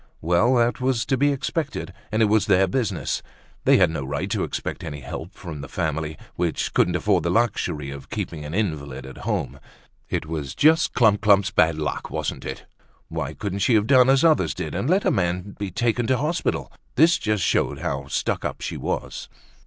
Well, that was to be expected and it was their business. They had no right to expect any help from the family, which couldn't afford the luxury of keeping an invalid at home. It was just Clump clump's bad luck, wasn't it? Why couldn't she have done as others did and let her man be taken to hospital? This just showed how stuck up she was.